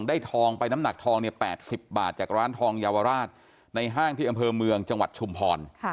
ทองไปน้ำหนักทองเนี่ย๘๐บาทจากร้านทองเยาวราชในห้างที่อำเภอเมืองจังหวัดชุมพร